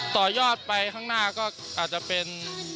ต่อยอดไปข้างหน้าก็อาจจะเป็น